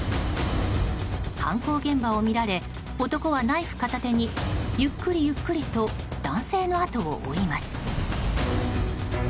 犯行現場を見られ男はナイフ片手にゆっくりゆっくりと男性の後を追います。